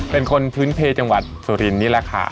เป็นคนพื้นเพจังหวัดสุรินทร์นี่แหละค่ะ